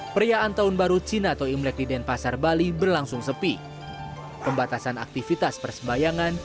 pembatasan aktivitas persembayangan